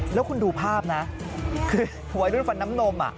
แล้วคุณดูภาพนะคือวัยรุ่นฟันน้ำนม